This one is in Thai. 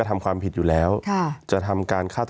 มีความรู้สึกว่ามีความรู้สึกว่า